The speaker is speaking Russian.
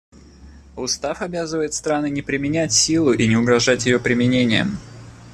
Устав обязывает страны не применять силу и не угрожать ее применением.